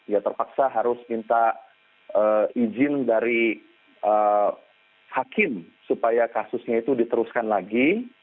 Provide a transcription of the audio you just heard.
ya terpaksa harus minta izin dari hakim supaya kasusnya itu diteruskan lagi